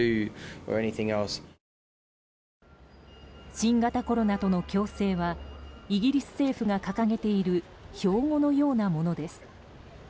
新型コロナとの共生はイギリス政府が掲げている標語のようなものです。